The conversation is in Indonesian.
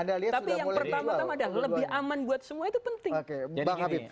tapi yang pertama tama adalah lebih aman buat semua itu penting